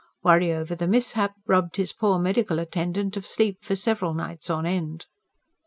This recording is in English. Worry over the mishap robbed his poor medical attendant of sleep for several nights on end.